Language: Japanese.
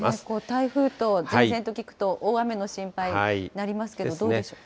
台風と前線と聞くと、大雨、心配になりますけれども、どうでしょう。